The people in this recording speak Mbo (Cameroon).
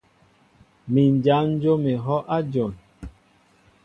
Mi n jan jǒm ehɔʼ a dyɔn.